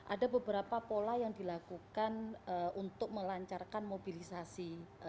ada beberapa pola yang dilakukan untuk melancarkan mobilisasi